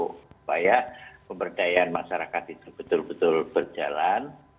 supaya pemberdayaan masyarakat itu betul betul berjalan